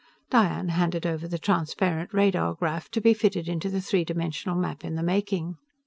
Diane handed over the transparent radar graph, to be fitted into the three dimensional map in the making.